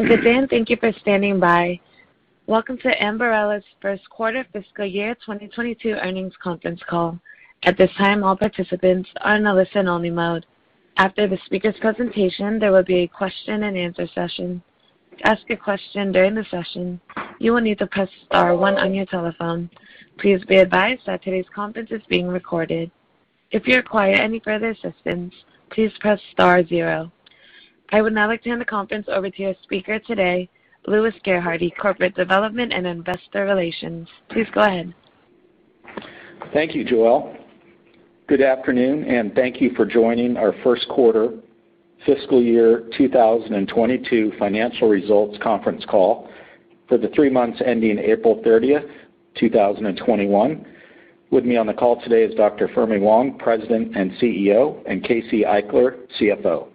Okay, Dan, thank you for standing by. Welcome to Ambarella's First Quarter Fiscal Year 2022 Earnings Conference Call. At this time, all participants are in a listen-only mode. After the speaker's presentation, there will be a question and answer session. To ask a question during the session, you will need to press star one on your telephone. Please be advised that today's conference is being recorded. If you require any further assistance, please press star zero. I would now like to hand the conference over to your speaker today, Louis Gerhardy, corporate development and investor relations. Please go ahead. Thank you, Joelle. Thank you for joining our first quarter fiscal year 2022 financial results conference call for the three months ending April 30th, 2021. With me on the call today is Dr. Fermi Wang, President and CEO, and Casey Eichler, CFO.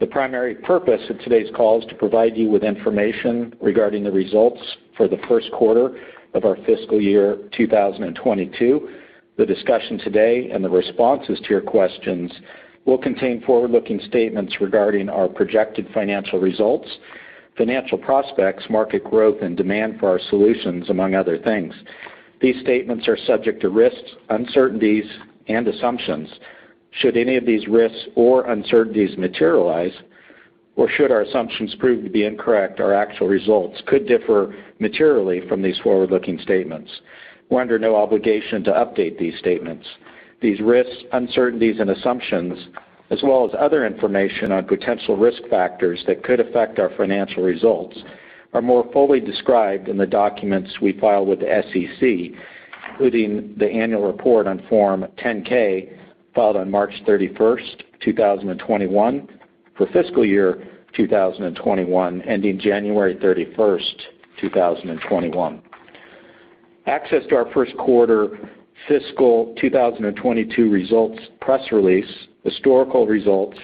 The primary purpose of today's call is to provide you with information regarding the results for the first quarter of our fiscal year 2022. The discussion today and the responses to your questions will contain forward-looking statements regarding our projected financial results, financial prospects, market growth, and demand for our solutions, among other things. These statements are subject to risks, uncertainties, and assumptions. Should any of these risks or uncertainties materialize, or should our assumptions prove to be incorrect, our actual results could differ materially from these forward-looking statements. We are under no obligation to update these statements. These risks, uncertainties, and assumptions, as well as other information on potential risk factors that could affect our financial results, are more fully described in the documents we file with the SEC, including the annual report on Form 10-K filed on March 31st, 2021, for fiscal year 2021, ending January 31st, 2021. Access to our first quarter fiscal 2022 results press release, historical results,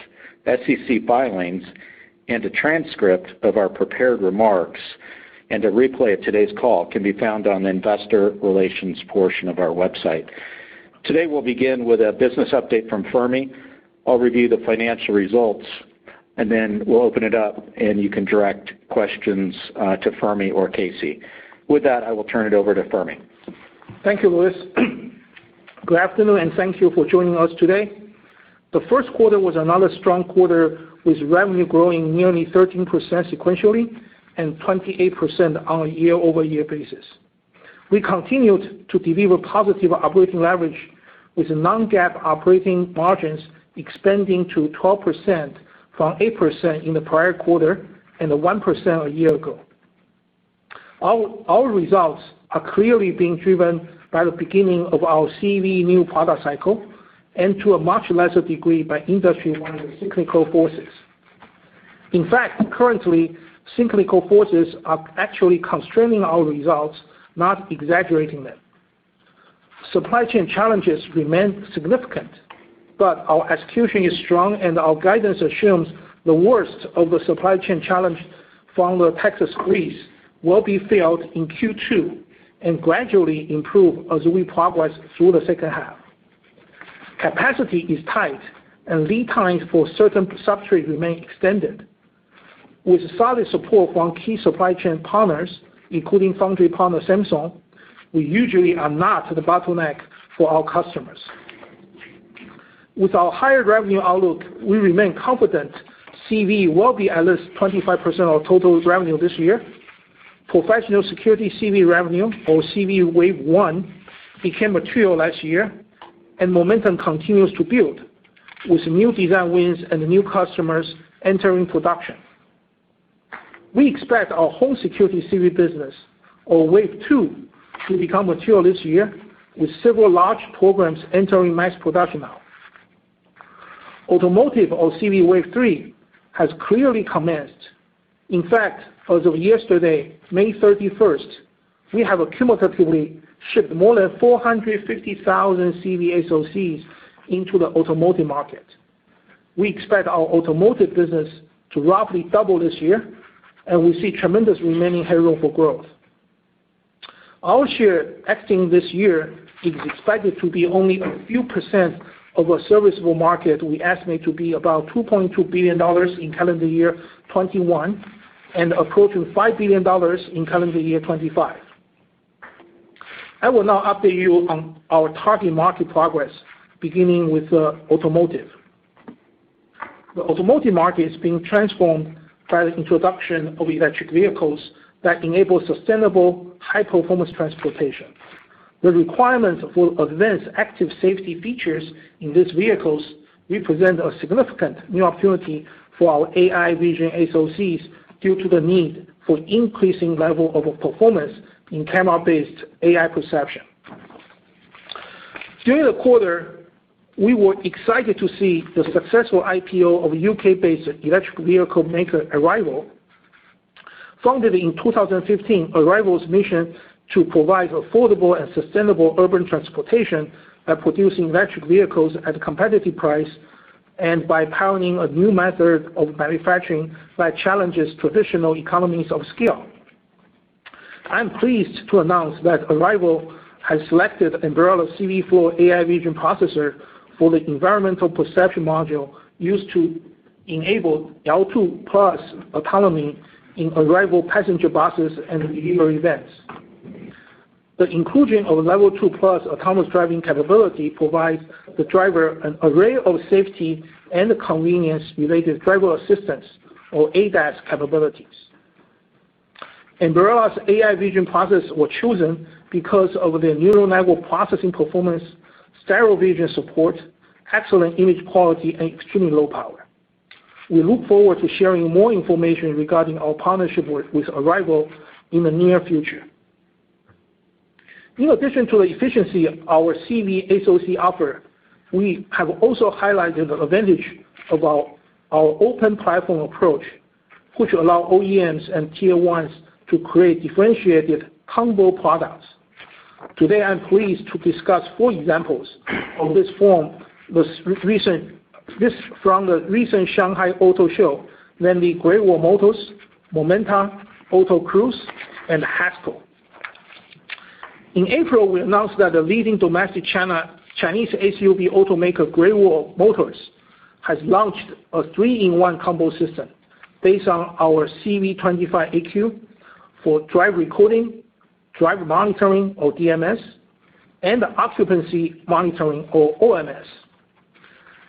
SEC filings, and a transcript of our prepared remarks, and a replay of today's call can be found on the investor relations portion of our website. Today, we'll begin with a business update from Fermi. I'll review the financial results, then we'll open it up and you can direct questions to Fermi or Casey. With that, I will turn it over to Fermi. Thank you, Louis. Good afternoon, and thank you for joining us today. The first quarter was another strong quarter, with revenue growing nearly 13% sequentially and 28% on a year-over-year basis. We continued to deliver positive operating leverage, with non-GAAP operating margins expanding to 12% from 8% in the prior quarter and 1% a year ago. Our results are clearly being driven by the beginning of our CV new product cycle and to a much lesser degree by industry-wide cyclical forces. In fact, currently, cyclical forces are actually constraining our results, not exaggerating them. Supply chain challenges remain significant, but our execution is strong, and our guidance assumes the worst of the supply chain challenge from the Texas freeze will be felt in Q2 and gradually improve as we progress through the second half. Capacity is tight, and lead times for certain substrates remain extended. With solid support from key supply chain partners, including foundry partner Samsung, we usually are not the bottleneck for our customers. With our higher revenue outlook, we remain confident CV will be at least 25% of total revenue this year. Professional security CV revenue, or CV wave one, became material last year, and momentum continues to build, with new design wins and new customers entering production. We expect our home security CV business, or wave two, to become material this year, with several large programs entering mass production now. Automotive, or CV wave three, has clearly commenced. In fact, as of yesterday, May 31st, we have cumulatively shipped more than 450,000 CV SoCs into the automotive market. We expect our automotive business to roughly double this year, and we see tremendous remaining headroom for growth. Our share exiting this year is expected to be only a few percent of a serviceable market we estimate to be about $2.2 billion in calendar year 2021 and approaching $5 billion in calendar year 2025. I will now update you on our target market progress, beginning with automotive. The automotive market is being transformed by the introduction of electric vehicles that enable sustainable, high-performance transportation. The requirement for advanced active safety features in these vehicles represents a significant new opportunity for our AI vision SoCs due to the need for increasing level of performance in camera-based AI perception. During the quarter, we were excited to see the successful IPO of U.K.-based electric vehicle maker Arrival. Founded in 2015, Arrival's mission to provide affordable and sustainable urban transportation by producing electric vehicles at a competitive price and by pioneering a new method of manufacturing that challenges traditional economies of scale. I'm pleased to announce that Arrival has selected Ambarella's CVflow AI vision processor for the environmental perception module used to enable L2+ autonomy in Arrival passenger buses and delivery vans. The inclusion of Level 2+ autonomous driving capability provides the driver an array of safety and convenience-related driver assistance, or ADAS, capabilities. Ambarella's AI vision processors were chosen because of their neural network processing performance, stereo vision support, excellent image quality, and extremely low power. We look forward to sharing more information regarding our partnership with Arrival in the near future. In addition to the efficiency of our CV SoC offer, we have also highlighted the advantage about our open platform approach, which allow OEMs and Tier 1 to create differentiated combo products. Today, I'm pleased to discuss four examples of this from the recent Shanghai Auto Show, namely Great Wall Motors, Momenta, Autocruis, and HASCO. In April, we announced that the leading domestic Chinese SUV automaker, Great Wall Motors, has launched a three-in-one combo system based on our CV25AQ for drive recording, drive monitoring or DMS, and occupancy monitoring or OMS.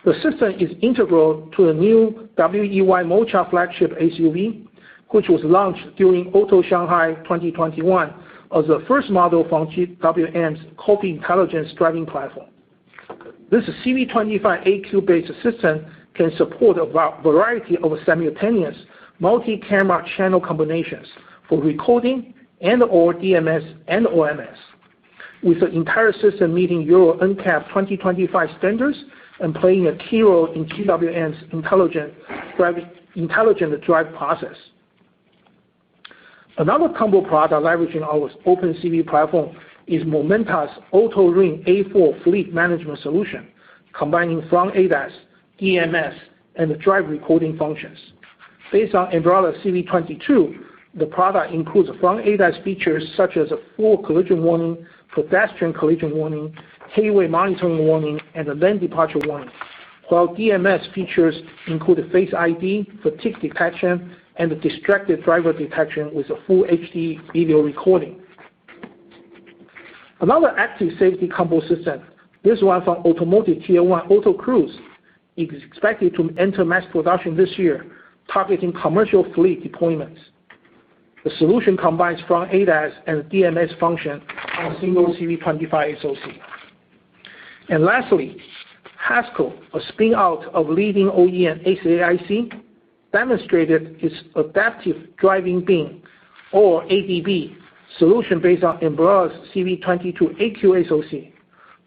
The system is integral to the new WEY Mocha flagship SUV, which was launched during Auto Shanghai 2021 as the first model from GWM's Coffee Intelligence driving platform. This CV25AQ-based system can support a variety of simultaneous multi-camera channel combinations for recording and/or DMS and OMS, with the entire system meeting Euro NCAP 2025 standards and playing a key role in GWM's intelligent drive process. Another combo product leveraging our open CV platform is Momenta's AutoRing A4 fleet management solution, combining front ADAS, DMS, and drive recording functions. Based on Ambarella CV22, the product includes front ADAS features such as forward collision warning, pedestrian collision warning, highway monitoring warning, and lane departure warning. While DMS features include face ID, fatigue detection, and distracted driver detection with full HD video recording. Another active safety combo system, this one from automotive Tier 1 Autocruis, is expected to enter mass production this year targeting commercial fleet deployments. The solution combines front ADAS and DMS function on a single CV25 SoC. Lastly, HASCO, a spin-out of leading OEM, SAIC, demonstrated its adaptive driving beam, or ADB, solution based on Ambarella's CV22AQ SoC.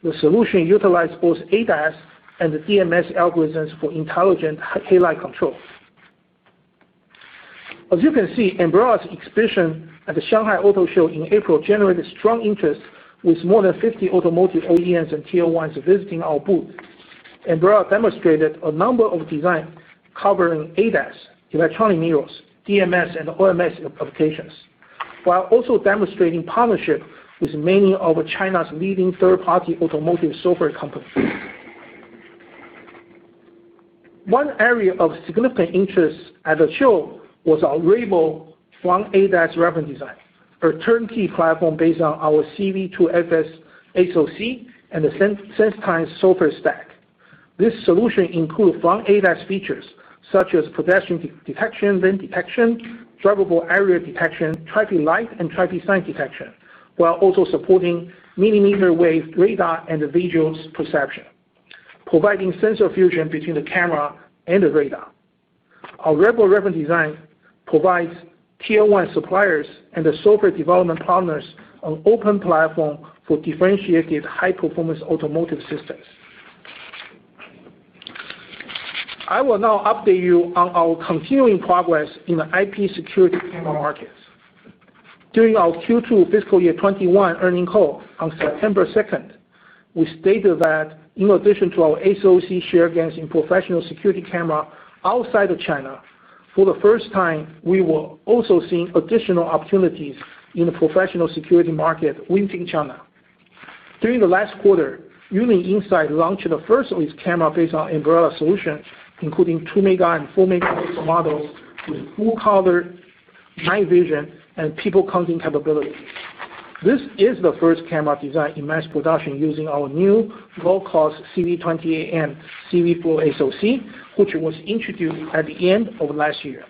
The solution utilized both ADAS and DMS algorithms for intelligent headlight control. As you can see, Ambarella's exhibition at the Shanghai Auto Show in April generated strong interest with more than 50 automotive OEMs and Tier 1s visiting our booth. Ambarella demonstrated a number of designs covering ADAS, electronic mirrors, DMS, and OMS applications, while also demonstrating partnership with many of China's leading third-party automotive software companies. One area of significant interest at the show was our Rebel front ADAS reference design. A turnkey platform based on our CV2FS SoC and the SenseTime software stack. This solution includes front ADAS features such as pedestrian detection, lane detection, drivable area detection, traffic light, and traffic sign detection, while also supporting millimeter-wave radar and visual perception, providing sensor fusion between the camera and the radar. Our Rebel reference design provides Tier 1 suppliers and software development partners an open platform for differentiated high-performance automotive systems. I will now update you on our continuing progress in the IP security camera markets. During our Q2 fiscal year 2021 earnings call on September 2nd, we stated that in addition to our SoC share gains in professional security cameras outside of China, for the first time, we were also seeing additional opportunities in the professional security market within China. During the last quarter, UNISINSIGHT launched the first of its cameras based on Ambarella solution, including two megapixel and four megapixel models with full color, night vision, and people-counting capabilities. This is the first camera design in mass production using our new low-cost CV28M and CVflow SoC, which was introduced at the end of last year.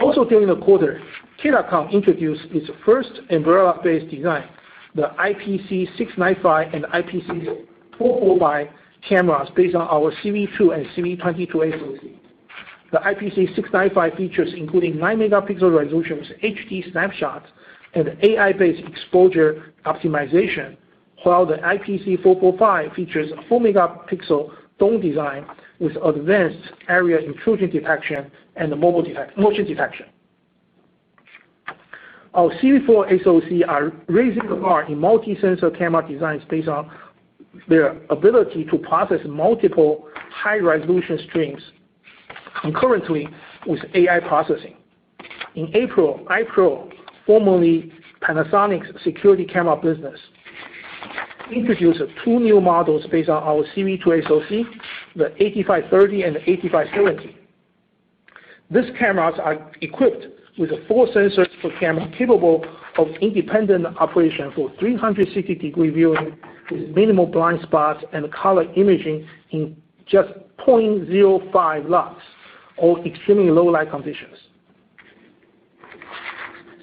During the quarter, KEDACOM introduced its first Ambarella-based design, the IPC695 and IPC445 cameras based on our CV2 and CV22 SoC. The IPC695 features including nine megapixel resolution with HD snapshots and AI-based exposure optimization, while the IPC445 features four megapixel dome design with advanced area intrusion detection and motion detection. Our CVflow SoC are raising the bar in multi-sensor camera designs based on their ability to process multiple high-resolution streams. Concurrently with AI processing. In April, i-PRO, formerly Panasonic Security Camera Business, introduced two new models based on our CV2 SoC, the 8530 and the 8570. These cameras are equipped with a four sensors per camera capable of independent operation for 360-degree viewing with minimal blind spots and color imaging in just 0.05 lux or extremely low light conditions.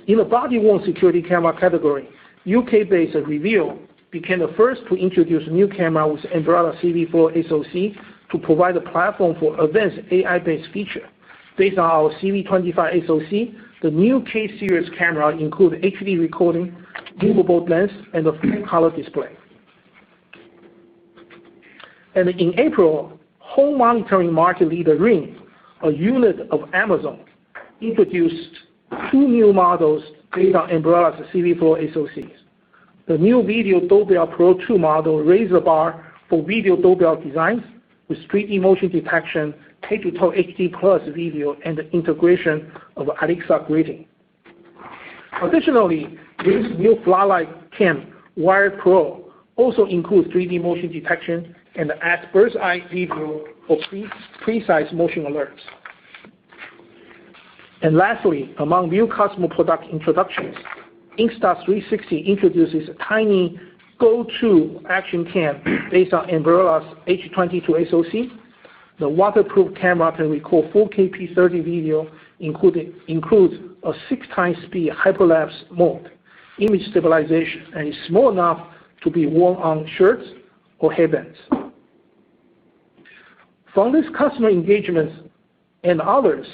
In the body-worn security camera category, U.K.-based Reveal became the first to introduce a new camera with Ambarella CVflow SoC to provide a platform for advanced AI-based feature. Based on our CV25 SoC, the new K-series camera includes HD recording, movable lens, and a full-color display. In April, home monitoring market leader Ring, a unit of Amazon, introduced two new models based on Ambarella's CVflow SoCs. The new Video Doorbell Pro 2 model raises the bar for video doorbell designs with 3D motion detection, 1080HD+ video, and the integration of Alexa greeting. Additionally, Ring's new Floodlight Cam Wired Pro also includes 3D motion detection and adverse light video for precise motion alerts. Lastly, among new customer product introductions, Insta360 introduces a tiny GO 2 action cam based on Ambarella's H22 SoC. The waterproof camera can record 4KP30 video, includes a six times speed hyperlapse mode, image stabilization, and is small enough to be worn on shirts or headbands. From these customer engagements and others,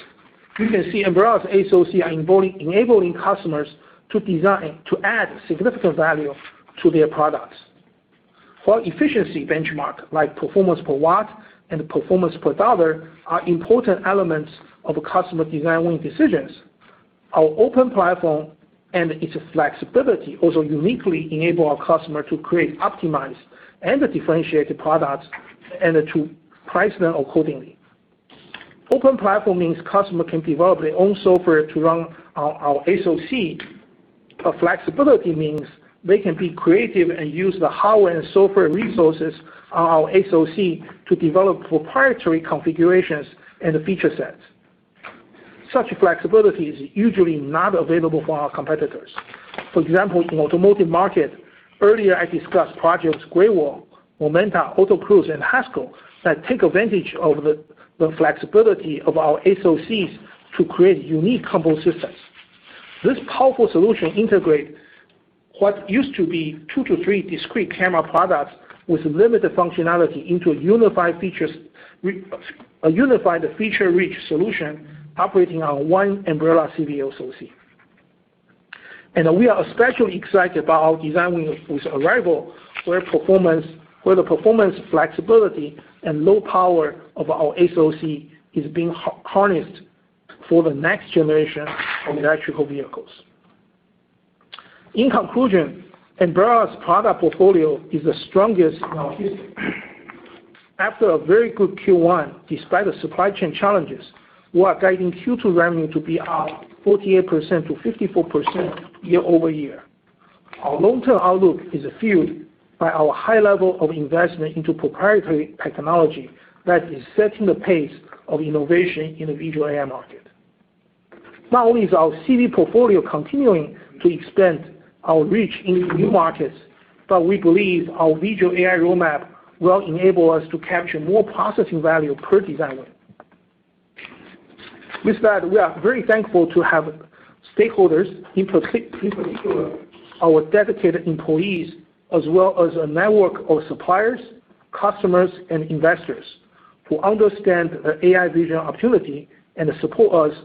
you can see Ambarella's SoCs are enabling customers to add significant value to their products. While efficiency benchmarks like performance per watt and performance per dollar are important elements of customer design win decisions, our open platform and its flexibility also uniquely enable our customer to create optimized and differentiated products and to price them accordingly. Open platform means customer can develop their own software to run our SoC. A flexibility means they can be creative and use the hardware and software resources on our SoC to develop proprietary configurations and feature sets. Such flexibility is usually not available from our competitors. For example, from automotive market, earlier I discussed projects Great Wall, Momenta, Autocruis, and HASCO that take advantage of the flexibility of our SoCs to create unique combo systems. This powerful solution integrates what used to be two to three discrete camera products with limited functionality into a unified feature-rich solution operating on one Ambarella CV SoC. We are especially excited about our designing with Arrival, where the performance flexibility and low power of our SoC is being harnessed for the next generation of electric vehicles. In conclusion, Ambarella's product portfolio is the strongest in our history. After a very good Q1, despite the supply chain challenges, we are guiding Q2 revenue to be up 48%-54% year-over-year. Our long-term outlook is fueled by our high level of investment into proprietary technology that is setting the pace of innovation in the visual AI market. Not only is our CV portfolio continuing to extend our reach into new markets, but we believe our visual AI roadmap will enable us to capture more processing value per design win. With that, we are very thankful to have stakeholders, including our dedicated employees, as well as a network of suppliers, customers, and investors who understand the AI vision opportunity and support us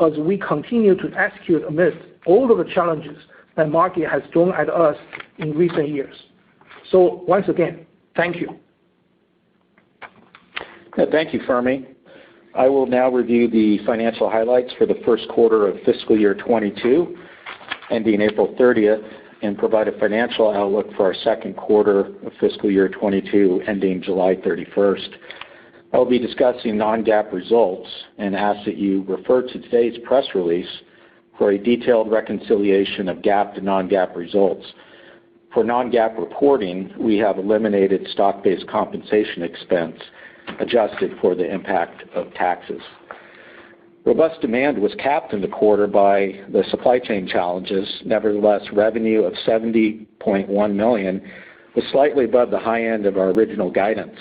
as we continue to execute amidst all of the challenges that market has thrown at us in recent years. Once again, thank you. Thank you, Fermi. I will now review the financial highlights for the first quarter of fiscal year 2022 ending April 30th and provide a financial outlook for our second quarter of fiscal year 2022 ending July 31st. I'll be discussing non-GAAP results and ask that you refer to today's press release for a detailed reconciliation of GAAP to non-GAAP results. For non-GAAP reporting, we have eliminated stock-based compensation expense adjusted for the impact of taxes. Robust demand was capped in the quarter by the supply chain challenges. Revenue of $70.1 million was slightly above the high end of our original guidance.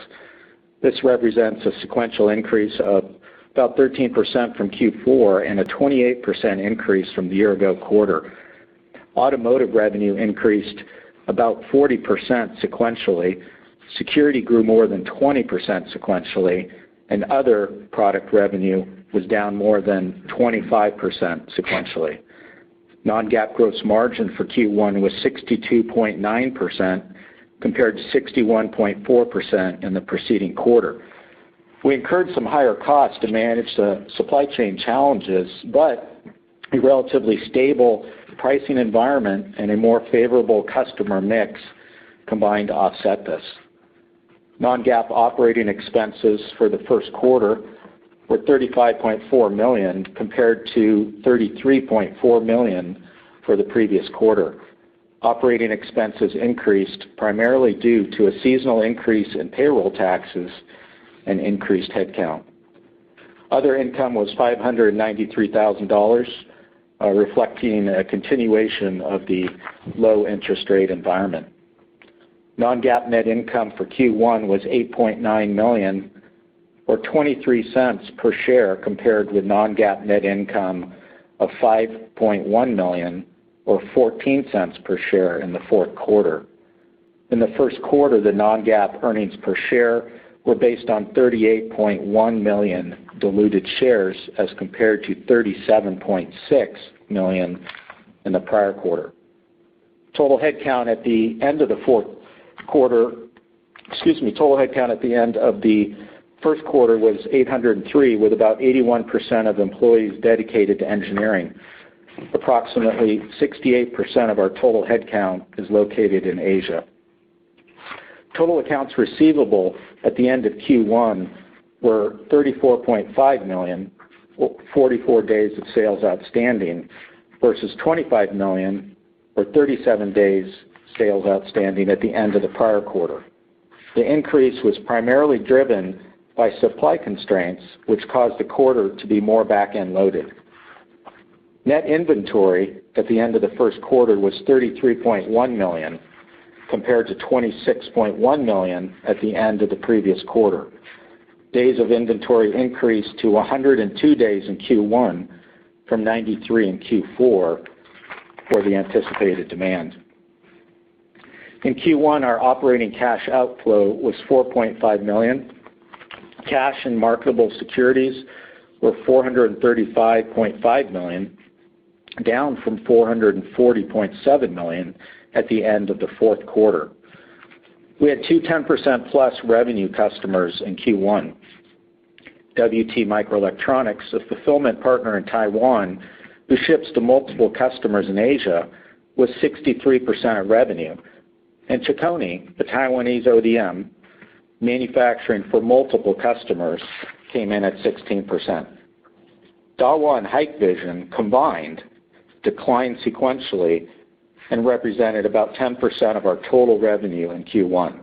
This represents a sequential increase of about 13% from Q4 and a 28% increase from the year ago quarter. Automotive revenue increased about 40% sequentially, security grew more than 20% sequentially, and other product revenue was down more than 25% sequentially. Non-GAAP gross margin for Q1 was 62.9% compared to 61.4% in the preceding quarter. We incurred some higher costs to manage the supply chain challenges. A relatively stable pricing environment and a more favorable customer mix combined to offset this. Non-GAAP operating expenses for the first quarter were $35.4 million compared to $33.4 million for the previous quarter. Operating expenses increased primarily due to a seasonal increase in payroll taxes and increased headcount. Other income was $593,000, reflecting a continuation of the low interest rate environment. Non-GAAP net income for Q1 was $8.9 million or $0.23 per share compared with non-GAAP net income of $5.1 million or $0.14 per share in the fourth quarter. In the first quarter, the non-GAAP earnings per share were based on 38.1 million diluted shares as compared to 37.6 million in the prior quarter. Total headcount at the end of the first quarter was 803, with about 81% of employees dedicated to engineering. Approximately 68% of our total headcount is located in Asia. Total accounts receivable at the end of Q1 were $34.5 million, or 44 days of sales outstanding, versus $25 million or 37 days sales outstanding at the end of the prior quarter. The increase was primarily driven by supply constraints, which caused the quarter to be more back-end loaded. Net inventory at the end of the first quarter was $33.1 million, compared to $26.1 million at the end of the previous quarter. Days of inventory increased to 102 days in Q1 from 93 in Q4 for the anticipated demand. In Q1, our operating cash outflow was $4.5 million. Cash and marketable securities were $435.5 million, down from $440.7 million at the end of the fourth quarter. We had two 10%+ revenue customers in Q1. WT Microelectronics, a fulfillment partner in Taiwan who ships to multiple customers in Asia, was 63% of revenue. Chicony, the Taiwanese ODM manufacturing for multiple customers, came in at 16%. Dahua and Hikvision combined declined sequentially and represented about 10% of our total revenue in Q1.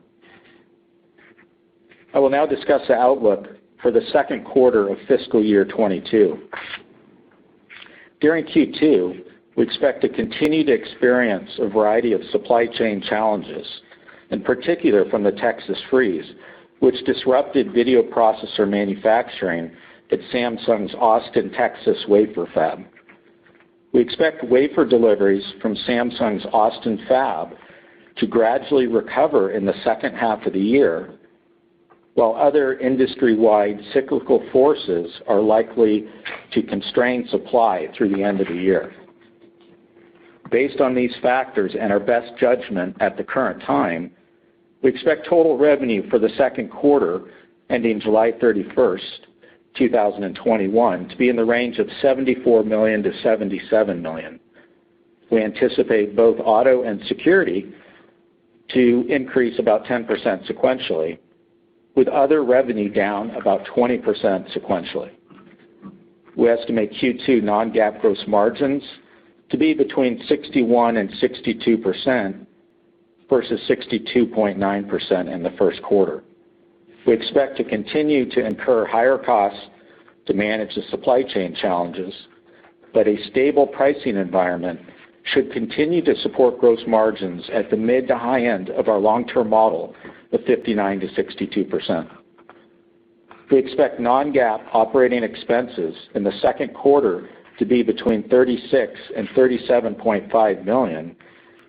I will now discuss the outlook for the second quarter of fiscal year 2022. During Q2, we expect to continue to experience a variety of supply chain challenges, in particular from the Texas freeze, which disrupted video processor manufacturing at Samsung's Austin, Texas, wafer fab. We expect wafer deliveries from Samsung's Austin fab to gradually recover in the second half of the year, while other industry-wide cyclical forces are likely to constrain supply through the end of the year. Based on these factors and our best judgment at the current time, we expect total revenue for the second quarter ending July 31st, 2021, to be in the range of $74 million-$77 million. We anticipate both auto and security to increase about 10% sequentially, with other revenue down about 20% sequentially. We estimate Q2 non-GAAP gross margins to be between 61% and 62%, versus 62.9% in the first quarter. We expect to continue to incur higher costs to manage the supply chain challenges, but a stable pricing environment should continue to support gross margins at the mid to high end of our long-term model of 59%-62%. We expect non-GAAP operating expenses in the second quarter to be between $36 million and $37.5 million,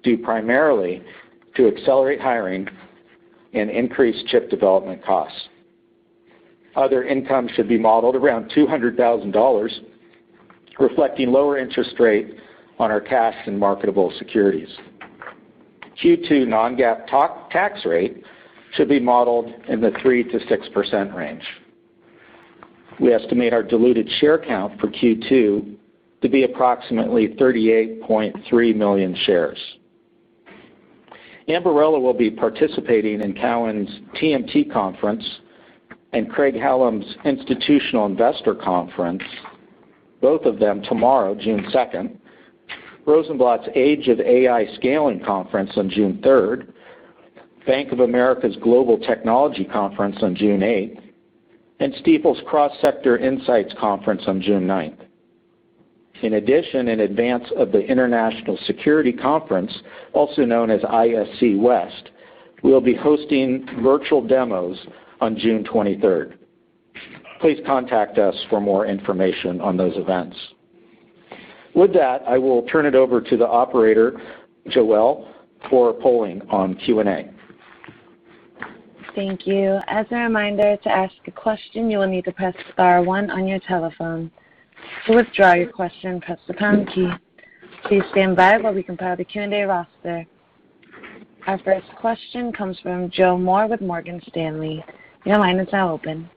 due primarily to accelerate hiring and increase chip development costs. Other income should be modeled $200,000, reflecting lower interest rate on our cash and marketable securities. Q2 non-GAAP tax rate should be modeled in the 3%-6% range. We estimate our diluted share count for Q2 to be approximately 38.3 million shares. Ambarella will be participating in Cowen's TMT Conference and Craig-Hallum's Institutional Investor Conference, both of them tomorrow, June 2nd, Rosenblatt's Age of AI Scaling Conference on June 3rd, Bank of America's Global Technology Conference on June 8th, and Stifel Cross-Sector Insights Conference on June 9th. In addition, in advance of the International Security Conference, also known as ISC West, we'll be hosting virtual demos on June 23rd. Please contact us for more information on those events. With that, I will turn it over to the operator, Joelle, for polling on Q&A. Thank you. As a reminder, to ask a question, you will need to press star one on your telephone. To withdraw your question, press the pound key. Please stand by while we compile the Q&A roster. Our first question comes from Joe Moore with Morgan Stanley. Your line is now open.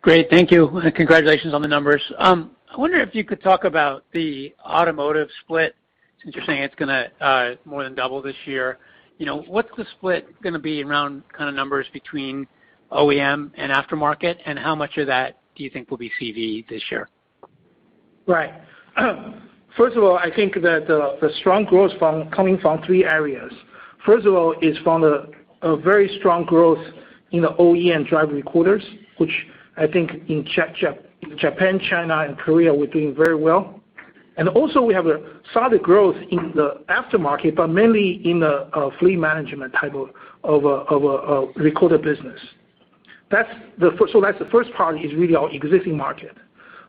Great. Thank you. Congratulations on the numbers. I wonder if you could talk about the automotive split, since you're saying it's going to more than double this year. What's the split going to be around numbers between OEM and aftermarket, and how much of that do you think will be CV this year? Right. First of all, I think that the strong growth coming from three areas. First of all, it's from a very strong growth in the OEM drive recorders, which I think in Japan, China, and Korea, we're doing very well. Also, we have a solid growth in the aftermarket, but mainly in the fleet management type of recorder business. That's the first part, is really our existing market.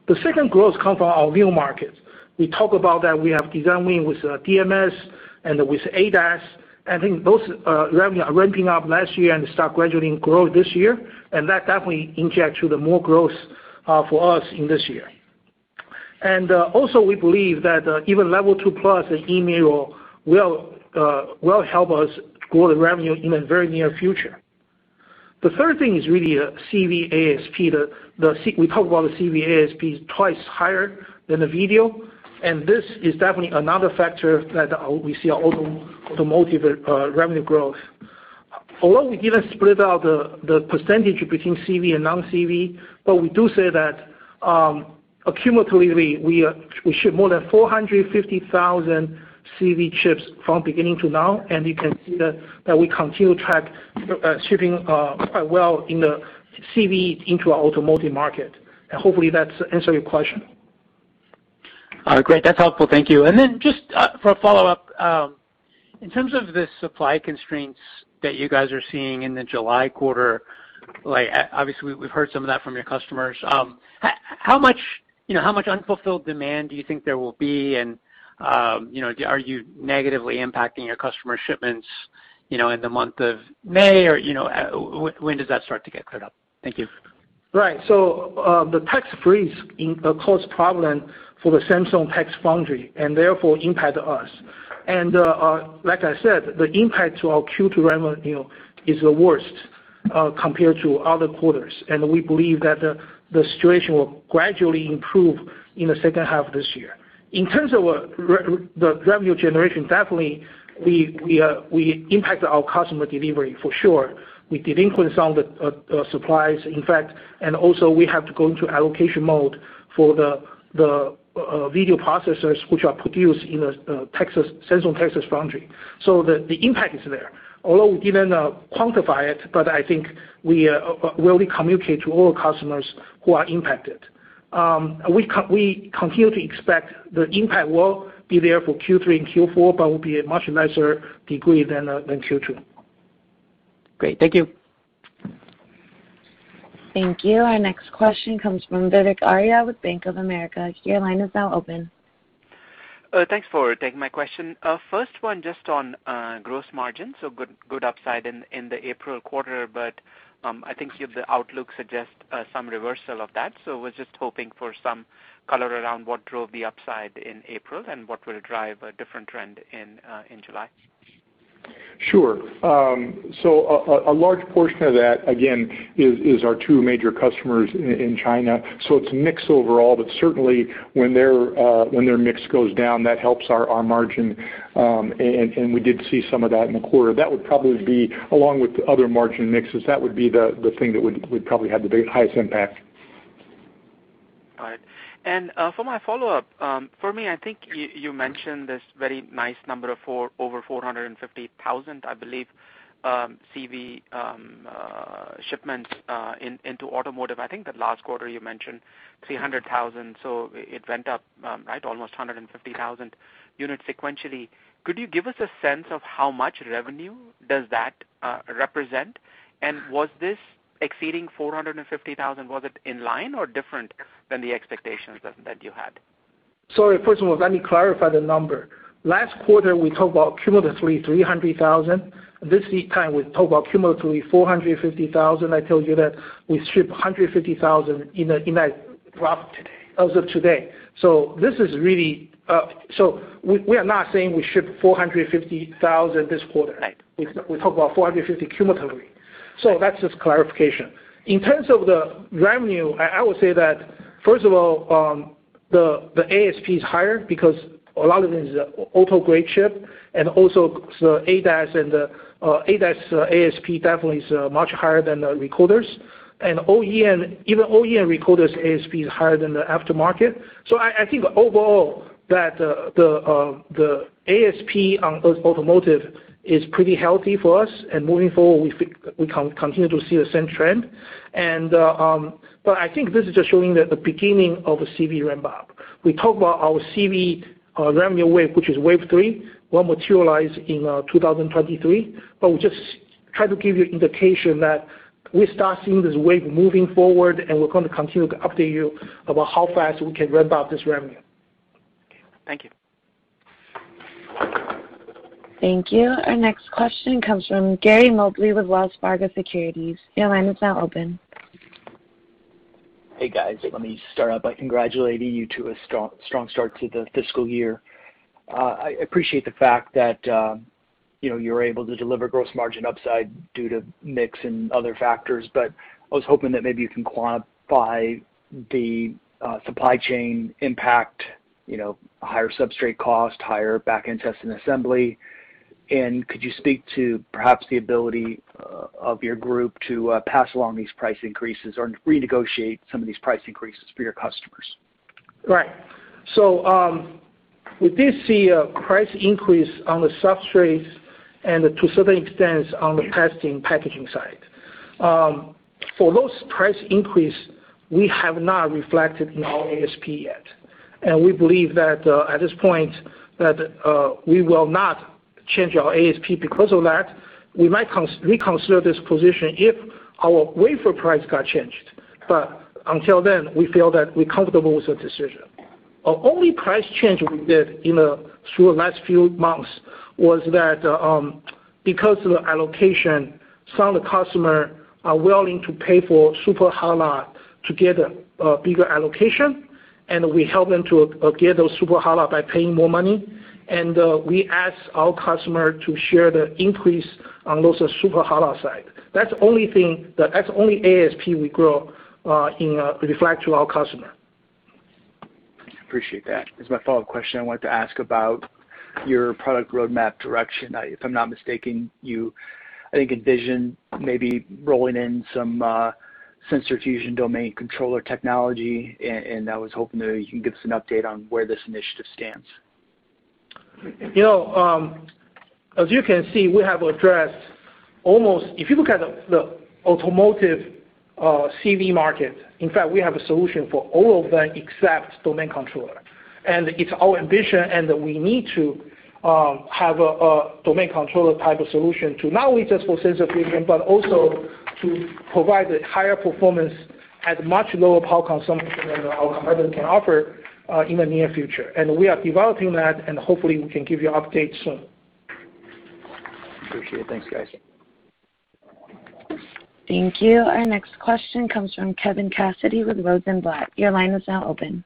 The second growth comes from our view market. We talk about that we have designing with DMS and with ADAS. I think those revenue are ramping up last year and start gradually grow this year, and that definitely inject to the more growth for us in this year. Also, we believe that even Level 2+ and e-Mirror will help us grow the revenue in the very near future. The third thing is really the CV ASP. We talk about the CV ASP twice higher than the video. This is definitely another factor that we see automotive revenue growth. Although we didn't split out the percentage between CV and non-CV, but we do say that cumulatively, we ship more than 450,000 CV chips from beginning to now. You can see that we continue track shipping quite well in the CV into our automotive market. Hopefully, that answer your question. All right, great. That's helpful. Thank you. Just for follow-up, in terms of the supply constraints that you guys are seeing in the July quarter, obviously, we've heard some of that from your customers. How much unfulfilled demand do you think there will be, and are you negatively impacting your customer shipments in the month of May, or when does that start to get caught up? Thank you. Right. The Texas freeze caused problem for the Samsung Tex foundry, and therefore impact us. Like I said, the impact to our Q2 revenue is the worst compared to other quarters, and we believe that the situation will gradually improve in the second half of this year. In terms of the revenue generation, definitely, we impact our customer delivery for sure. We didn't influence on the supplies, in fact, and also we have to go into allocation mode for the video processors, which are produced in the Samsung Texas foundry. The impact is there, although we didn't quantify it, but I think we communicate to all customers who are impacted. We continue to expect the impact will be there for Q3 and Q4, but will be a much lesser degree than Q2. Great. Thank you. Thank you. Our next question comes from Vivek Arya with Bank of America. Your line is now open. Thanks for taking my question. First one, just on gross margin. Good upside in the April quarter, but I think the outlook suggests some reversal of that. Was just hoping for some color around what drove the upside in April and what will drive a different trend in July? Sure. A large portion of that, again, is our two major customers in China. It's mixed overall, but certainly when their mix goes down, that helps our margin. We did see some of that in the quarter. That would probably be, along with the other margin mixes, that would be the thing that would probably have the highest impact. Got it. For my follow-up, Fermi, I think you mentioned this very nice number of over 450,000, I believe, CV shipments into automotive. I think the last quarter you mentioned 300,000, so it went up almost 150,000 units sequentially. Could you give us a sense of how much revenue does that represent? Was this exceeding 450,000, was it in line or different than the expectations that you had? Sorry, first of all, let me clarify the number. Last quarter, we talk about cumulatively 300,000. This week, I talk about cumulatively 450,000. I told you that we ship 150,000 as of today. We are not saying we ship 450,000 this quarter. We talk about 450,000 cumulatively. That's just clarification. In terms of the revenue, I would say that, first of all, the ASP is higher because a lot of it is auto-grade chip, and also the ADAS ASP definitely is much higher than the recorders. Even OEM recorders ASP is higher than the aftermarket. I think overall that the ASP on automotive is pretty healthy for us, and moving forward, we continue to see the same trend. I think this is just showing that the beginning of a CV ramp-up. We talk about our CV revenue wave, which is wave three, will materialize in 2023. We just try to give you indication that we start seeing this wave moving forward, and we're going to continue to update you about how fast we can ramp up this revenue. Thank you. Thank you. Our next question comes from Gary Mobley with Wells Fargo Securities. Your line is now open. Hey, guys. Let me start out by congratulating you to a strong start to the fiscal year. I appreciate the fact that. You're able to deliver gross margin upside due to mix and other factors, but I was hoping that maybe you can quantify the supply chain impact, higher substrate cost, higher back-end test and assembly. Could you speak to perhaps the ability of your group to pass along these price increases or renegotiate some of these price increases for your customers? Right. We did see a price increase on the substrates and to a certain extent on the testing packaging side. For those price increase, we have not reflected in our ASP yet. We believe that at this point that we will not change our ASP because of that. We might reconsider this position if our wafer price got changed. Until then, we feel that we're comfortable with the decision. Our only price change we did through the last few months was that, because of the allocation, some of the customer are willing to pay for super hot lot to get a bigger allocation, and we help them to get those super hot lot by paying more money. We ask our customer to share the increase on those super hot lot side. That's the only ASP we grow, reflect to our customer. Appreciate that. As my follow-up question, I wanted to ask about your product roadmap direction. If I'm not mistaken, you, I think, envision maybe rolling in some sensor fusion domain controller technology, and I was hoping that you can give us an update on where this initiative stands. As you can see, we have addressed. If you look at the automotive CV market, in fact, we have a solution for all of them except domain controller. It's our ambition and we need to have a domain controller type of solution to not only just for sensor fusion, but also to provide the higher performance at much lower power consumption than our competitor can offer in the near future. We are developing that, and hopefully we can give you update soon. Appreciate it. Thanks, guys. Thank you. Our next question comes from Kevin Cassidy with Rosenblatt. Your line is now open.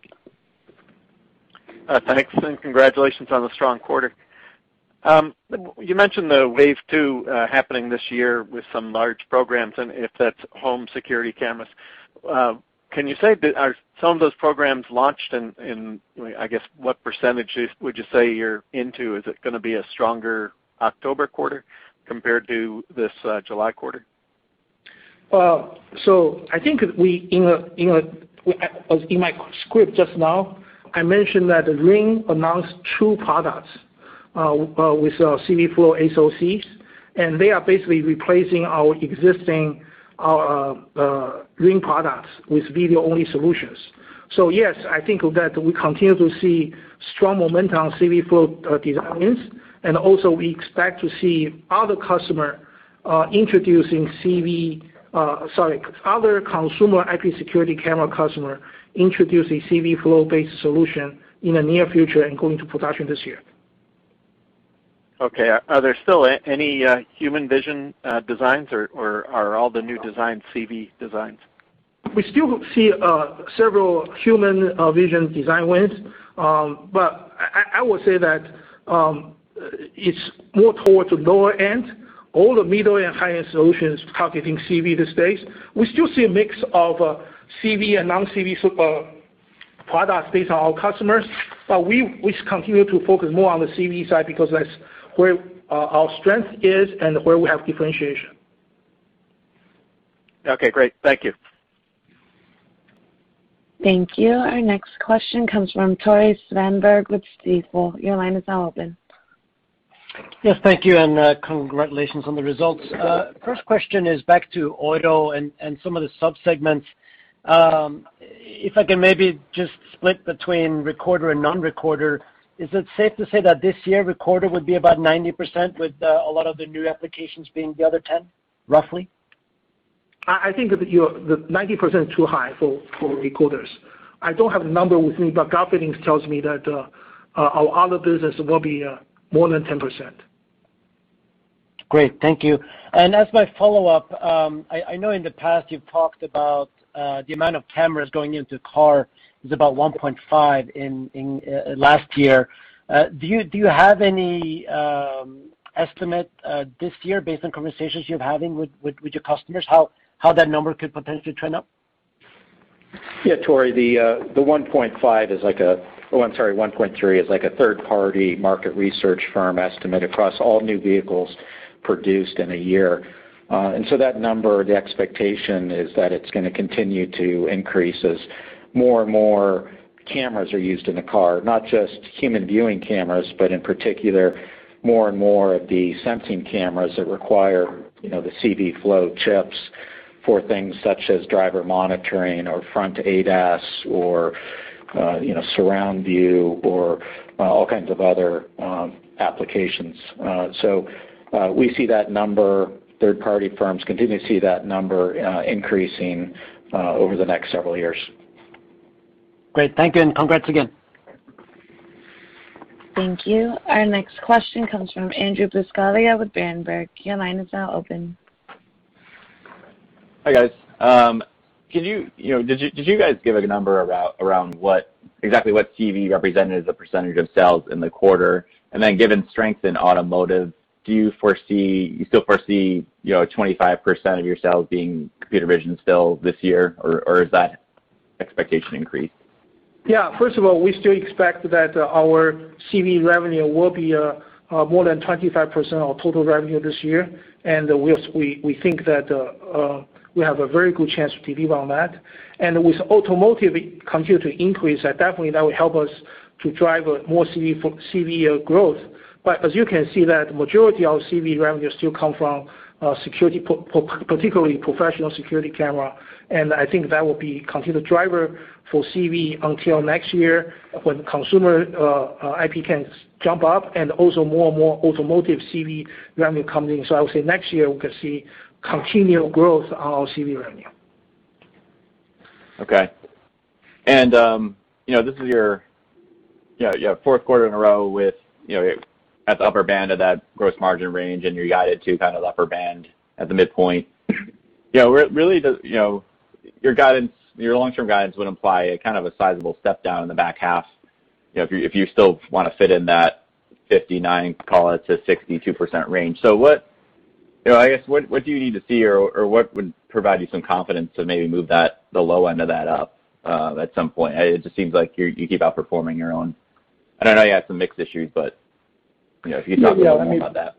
Thanks. Congratulations on the strong quarter. You mentioned the wave two happening this year with some large programs, and if that's home security cameras. Can you say that are some of those programs launched and, I guess, what percentage would you say you're into? Is it going to be a stronger October quarter compared to this July quarter? I think in my script just now, I mentioned that Ring announced two products with our CVflow SoCs, and they are basically replacing our existing Ring products with video-only solutions. Yes, I think that we continue to see strong momentum CVflow designs, and also we expect to see other consumer IP security camera customer introducing CVflow-based solution in the near future and going to production this year. Okay. Are there still any human vision designs or are all the new designs CV designs? We still see several human vision design wins. I would say that it's more towards the lower end. All the middle and high-end solutions targeting CV these days. We still see a mix of CV and non-CV products based on our customers, but we continue to focus more on the CV side because that's where our strength is and where we have differentiation. Okay, great. Thank you. Thank you. Our next question comes from Tore Svanberg with Stifel. Your line is now open. Yes, thank you, and congratulations on the results. First question is back to auto and some of the subsegments. If I can maybe just split between recorder and non-recorder, is it safe to say that this year recorder would be about 90% with a lot of the new applications being the other 10%, roughly? I think that 90% too high for recorders. I don't have a number with me, but gut feeling tells me that our other business will be more than 10%. Great. Thank you. As my follow-up, I know in the past you've talked about the amount of cameras going into car is about 1.5 in last year. Do you have any estimate this year based on conversations you're having with your customers, how that number could potentially turn out? Yeah, Tore, the 1.3 is like a third-party market research firm estimate across all new vehicles produced in a year. That number, the expectation is that it's going to continue to increase as more and more cameras are used in the car, not just human viewing cameras, but in particular, more and more of the sensing cameras that require the CVflow chips for things such as driver monitoring or front ADAS or surround view or all kinds of other applications. We see that number, third-party firms continue to see that number increasing over the next several years. Great. Thank you, and congrats again. Thank you. Our next question comes from Andrew Buscaglia with Berenberg. Your line is now open. Hi, guys. Did you guys give a number around exactly what CV represented as a percentage of sales in the quarter? Given strength in automotive, do you still foresee 25% of your sales being computer vision sales this year, or has that expectation increased? First of all, we still expect that our CV revenue will be more than 25% of total revenue this year. We think that we have a very good chance to deliver on that. With automotive compute increase, that definitely will help us to drive more CV growth. As you can see that the majority of CV revenue still comes from security, particularly professional security camera. I think that will be a continued driver for CV until next year when consumer IP can jump up and also more and more automotive CV revenue coming in. I would say next year we can see continual growth on our CV revenue. Okay. This is your fourth quarter in a row with at the upper band of that gross margin range, and you're guided to kind of upper band at the midpoint. Really, your long-term guidance would imply a kind of a sizable step down in the back half if you still want to fit in that 59%-62% range. I guess, what do you need to see or what would provide you some confidence to maybe move the low end of that up at some point? It just seems like you keep outperforming your own. I know you have some mix issues, but if you can talk to me about that.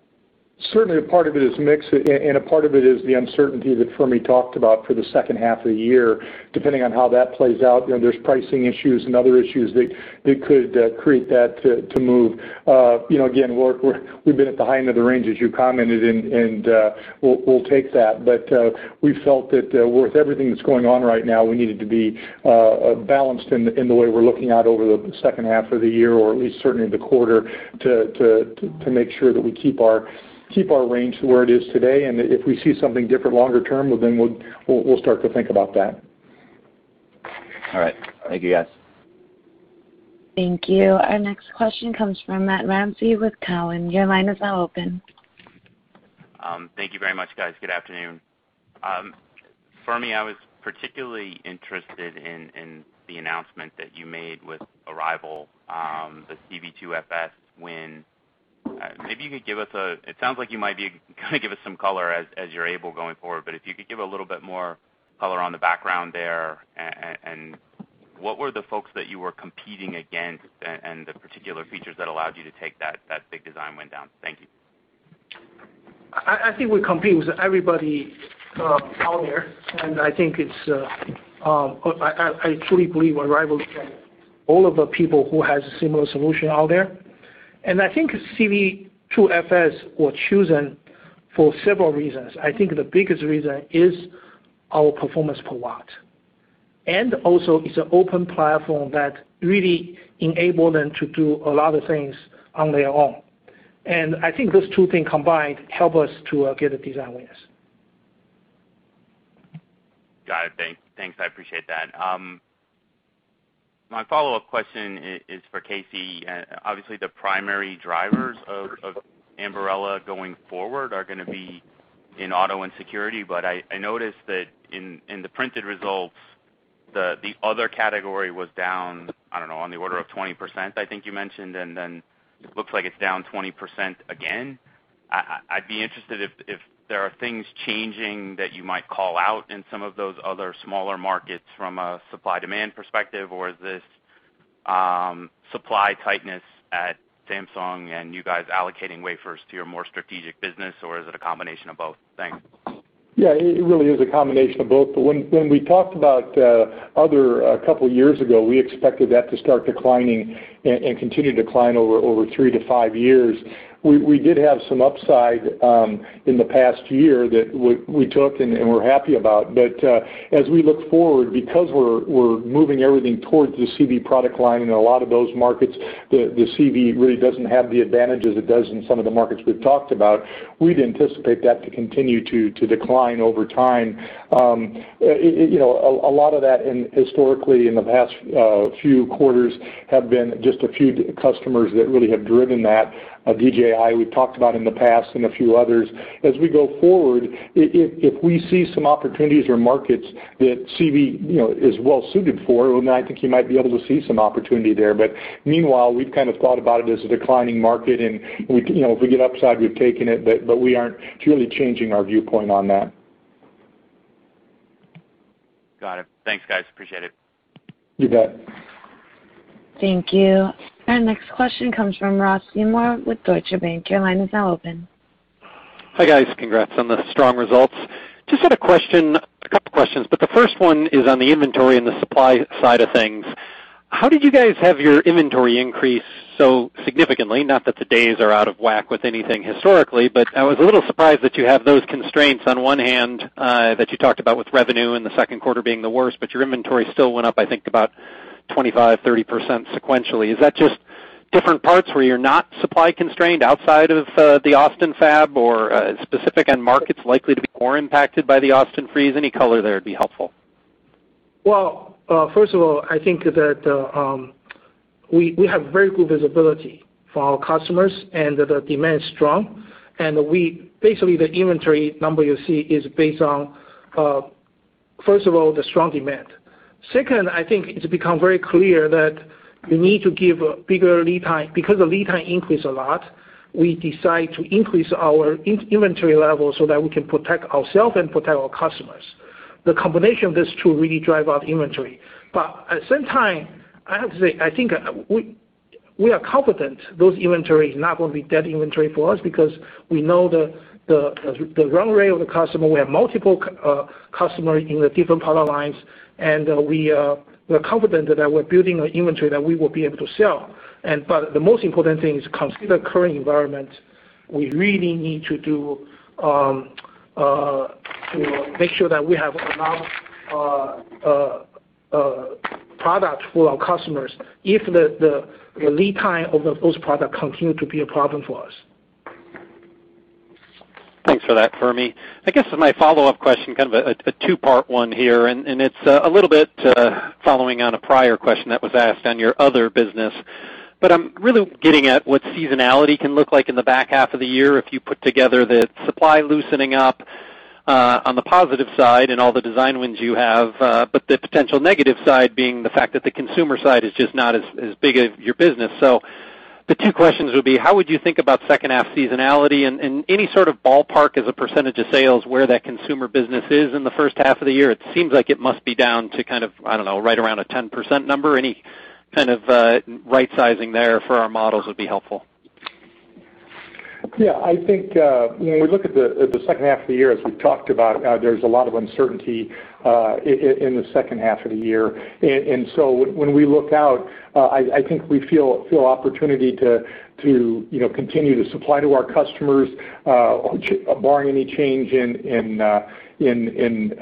Certainly part of it is mix, and a part of it is the uncertainty that Fermi talked about for the second half of the year, depending on how that plays out. There's pricing issues and other issues that could create that to move. Again, we've been at the high end of the range as you commented, and we'll take that. We felt that with everything that's going on right now, we needed to be balanced in the way we're looking out over the second half of the year, or at least certainly the quarter to make sure that we keep our range to where it is today. If we see something different longer term, well, then we'll start to think about that. All right. Thank you, guys. Thank you. Our next question comes from Matt Ramsay with Cowen. Your line is now open. Thank you very much, guys. Good afternoon. Fermi, I was particularly interested in the announcement that you made with Arrival, the CV2FS win. It sounds like you might be going to give us some color as you're able going forward, but if you could give a little bit more color on the background there, and what were the folks that you were competing against and the particular features that allowed you to take that big design win down? Thank you. I think we're competing with everybody out there, and I truly believe Arrival beat all of the people who has a similar solution out there. I think CV2FS was chosen for several reasons. I think the biggest reason is our performance per watt, and also it's an open platform that really enabled them to do a lot of things on their own. I think those two things combined help us to get the design wins. Got it. Thanks. I appreciate that. My follow-up question is for Casey. Obviously, the primary drivers of Ambarella going forward are going to be in auto and security, but I noticed that in the printed results, the other category was down, I don't know, on the order of 20%, I think you mentioned, and then it looks like it's down 20% again. I'd be interested if there are things changing that you might call out in some of those other smaller markets from a supply-demand perspective, or is this supply tightness at Samsung and you guys allocating wafers to your more strategic business, or is it a combination of both? Thanks. Yeah, it really is a combination of both. When we talked about other a couple of years ago, we expected that to start declining and continue to decline over three to five years. We did have some upside in the past year that we took and we're happy about. As we look forward, because we're moving everything towards the CV product line in a lot of those markets, the CV really doesn't have the advantages it does in some of the markets we've talked about. We'd anticipate that to continue to decline over time. A lot of that historically in the past few quarters have been just a few customers that really have driven that. DJI, we've talked about in the past and a few others. As we go forward, if we see some opportunities or markets that CV is well suited for, well, then I think you might be able to see some opportunity there. But meanwhile, we kind of thought about it as a declining market, and if we get upside, we've taken it, but we aren't really changing our viewpoint on that. Got it. Thanks, guys. Appreciate it. You bet. Thank you. Our next question comes from Ross Seymore with Deutsche Bank. Your line is now open. Hi, guys. Congrats on the strong results. Just had a couple questions, but the first one is on the inventory and the supply side of things. How did you guys have your inventory increase so significantly? Not that the days are out of whack with anything historically, but I was a little surprised that you have those constraints on one hand that you talked about with revenue in the second quarter being the worst, but your inventory still went up, I think, about 25%, 30% sequentially. Is that just different parts where you're not supply constrained outside of the Austin fab or specific end markets likely to be more impacted by the Austin freeze? Any color there would be helpful. Well, first of all, I think that we have very good visibility for our customers, and the demand is strong. Basically, the inventory number you see is based on, first of all, the strong demand. Second, I think it's become very clear that you need to give a bigger lead time. Because the lead time increased a lot, we decide to increase our inventory level so that we can protect ourselves and protect our customers. The combination of these two really drive our inventory. At the same time, I have to say, I think we are confident those inventories are not going to be dead inventory for us because we know the run rate of the customer. We have multiple customers in the different product lines, and we are confident that we're building an inventory that we will be able to sell. The most important thing is considering the current environment, we really need to make sure that we have enough product for our customers if the lead time of those products continues to be a problem for us. Thanks for that, Fermi. I guess for my follow-up question, kind of a two-part one here, and it's a little bit following on a prior question that was asked on your other business. I'm really getting at what seasonality can look like in the back half of the year if you put together the supply loosening up on the positive side and all the design wins you have, but the potential negative side being the fact that the consumer side is just not as big as your business. The two questions would be, how would you think about second-half seasonality, and any sort of ballpark as a percentage of sales where that consumer business is in the first half of the year? It seems like it must be down to, I don't know, right around a 10% number. Any kind of right-sizing there for our models would be helpful. Yeah, I think when we look at the second half of the year, as we've talked about, there's a lot of uncertainty in the second half of the year. When we look out, I think we feel opportunity to continue to supply to our customers barring any change in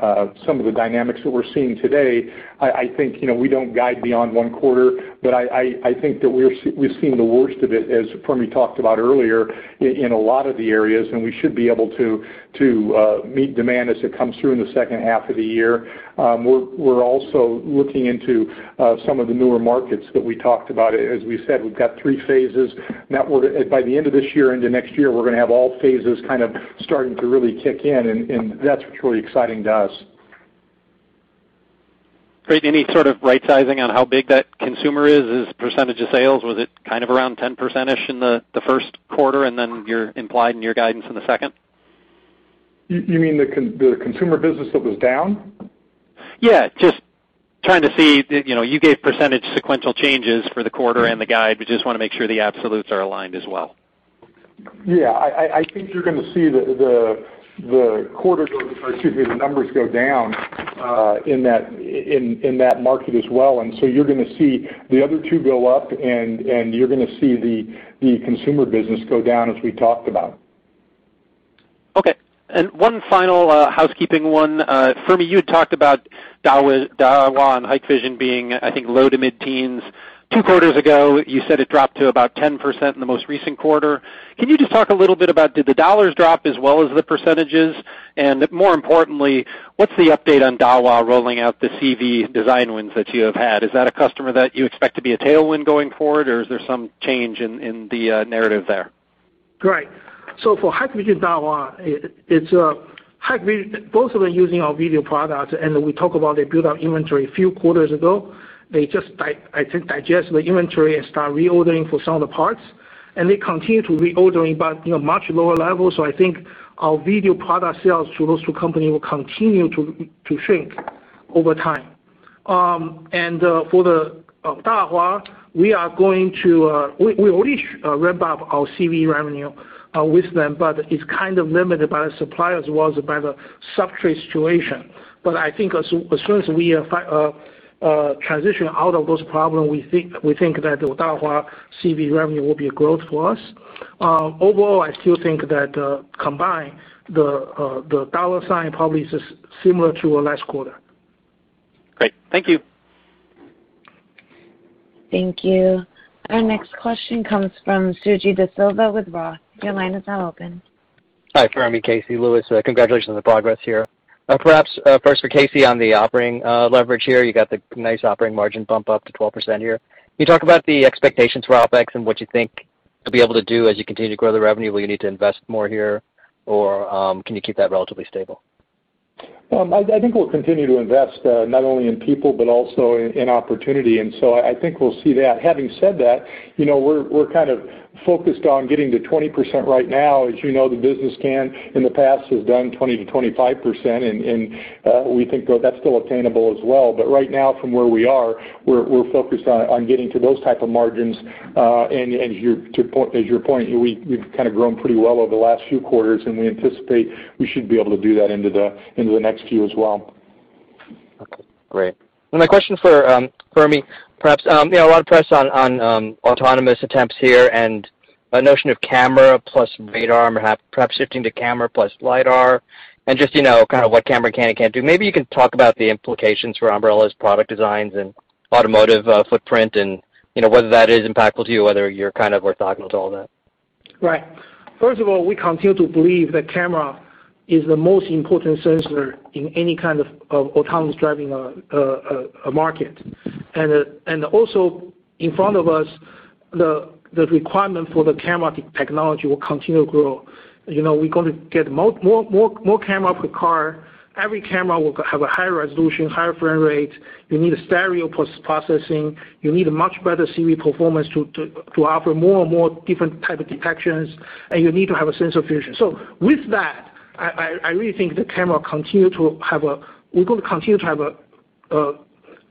some of the dynamics that we're seeing today. I think we don't guide beyond one quarter, but I think that we've seen the worst of it, as Fermi talked about earlier, in a lot of the areas, and we should be able to meet demand as it comes through in the second half of the year. We're also looking into some of the newer markets that we talked about. As we said, we've got three phases. By the end of this year into next year, we're going to have all phases kind of starting to really kick in, and that's what's really exciting to us. Great. Do you need sort of right sizing on how big that consumer is as a percentage of sales? Was it kind of around 10%-ish in the first quarter, and then you're implying your guidance in the second? You mean the consumer business that was down? Just trying to see. You gave percentage sequential changes for the quarter and the guide, just want to make sure the absolutes are aligned as well. Yeah, I think you're going to see the numbers go down in that market as well. You're going to see the other two go up, and you're going to see the consumer business go down as we talked about. Okay, one final housekeeping one. Fermi Wang, you had talked about Dahua and Hikvision being, I think, low to mid-teens two quarters ago. You said it dropped to about 10% in the most recent quarter. Can you just talk a little bit about did the dollars drop as well as the percentages? More importantly, what's the update on Dahua rolling out the CV design wins that you have had? Is that a customer that you expect to be a tailwind going forward, or is there some change in the narrative there? Right. For Hikvision and Dahua, both of them are using our video products, and we talk about they build up inventory a few quarters ago. They just, I think, digest the inventory and start reordering for some of the parts, and they continue to reorder, but much lower levels. I think our video product sales to those two companies will continue to shrink over time. For Dahua, we already ramp up our CV revenue with them, but it's kind of limited by supply as well as by the substrate situation. I think as soon as we transition out of those problems, we think that Dahua CV revenue will be a growth for us. Overall, I still think that combined, the dollar sign probably is similar to our last quarter. Great. Thank you. Thank you. Our next question comes from Suji Desilva with Roth. Your line is now open. Hi, Fermi, Casey, Louis. Congratulations on the progress here. Perhaps first for Casey on the operating leverage here, you got the nice operating margin bump up to 12% here. Can you talk about the expectations for OpEx and what you think you'll be able to do as you continue to grow the revenue? Will you need to invest more here, or can you keep that relatively stable? I think we'll continue to invest, not only in people but also in opportunity. I think we'll see that. Having said that, we're kind of focused on getting to 20% right now. As you know, the business can, in the past, has done 20%-25%, and we think that's still attainable as well. Right now, from where we are, we're focused on getting to those type of margins. To your point, we've kind of grown pretty well over the last few quarters, and we anticipate we should be able to do that into the next few as well. Okay, great. A question for Fermi. Perhaps a lot of press on autonomous attempts here and the notion of camera plus radar, perhaps shifting to camera plus LiDAR, and just what camera can and can't do. Maybe you could talk about the implications for Ambarella's product designs and automotive footprint and whether that is impactful to you, whether you're kind of we're talking to all that. Right. First of all, we continue to believe that camera is the most important sensor in any kind of autonomous driving market. Also, in front of us, the requirement for the camera technology will continue to grow. We're going to get more camera per car. Every camera will have a higher resolution, higher frame rate. You need stereo processing. You need a much better CV performance to offer more and more different type of detections, and you need to have a sense of fusion. With that, I really think the camera, we're going to continue to have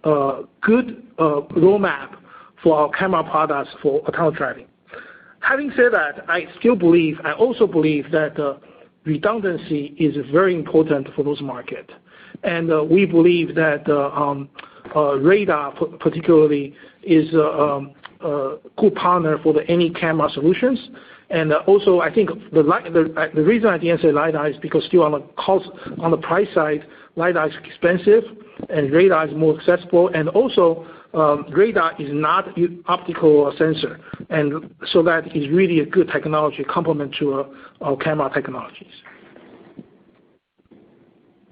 a good roadmap for our camera products for autonomous driving. Having said that, I also believe that redundancy is very important for those market. We believe that radar particularly is a good partner for any camera solutions. I think the reason I didn't say LiDAR is because still on the price side, LiDAR is expensive and radar is more accessible, radar is not optical sensor, that is really a good technology complement to our camera technologies.